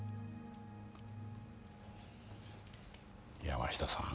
山下さん。